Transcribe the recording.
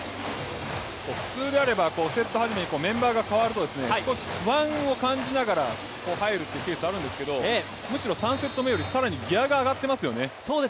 普通であればセット始めにメンバーが代わると少し不安を感じながら入るんですけどむしろ３セット目よりギアが上がっていますよね。